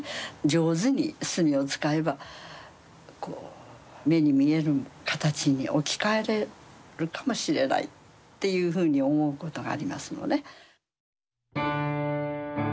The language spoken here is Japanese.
上手に墨を使えばこう目に見える形に置き換えれるかもしれないっていうふうに思うことがありますのね。